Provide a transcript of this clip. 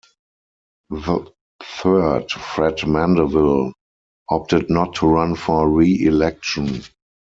The third, Fred Mandeville, opted not to run for reelection.